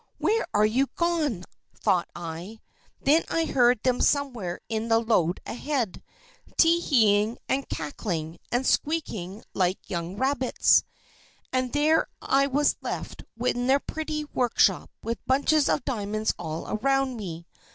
"Where are they gone?" thought I. Then I heard them somewhere in the lode ahead, tee heeing, and cackling, and squeaking like young rabbits. And there I was left in their pretty workshop, with bunches of diamonds all around me.